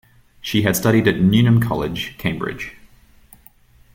She had studied at Newnham College, Cambridge.